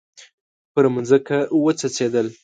پر مځکه وڅڅیدل